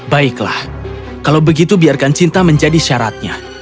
baiklah kalau begitu biarkan cinta menjadi syaratnya